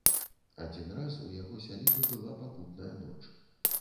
Адзін раз у яго сялібе была пакутная ноч.